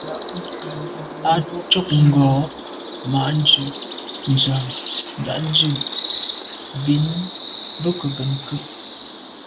A côb ngòn mɑ̂ ɑ̀b ndʉ̂ Nzə̀ ɑ̌m Ndiagbin, bə̀ kə bɛ̀n ke.